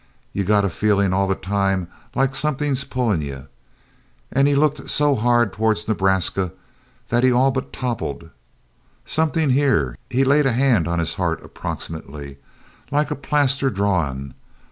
You got a feelin' all the time like somethin's pullin' you." He looked so hard towards Nebraska that he all but toppled. "Somethin' here," he laid a hand on his heart, approximately, "like a plaster drawin'.